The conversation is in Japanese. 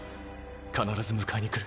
必ず迎えに来る。